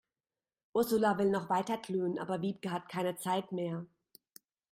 Ursula will noch weiter klönen, aber Wiebke hat keine Zeit mehr.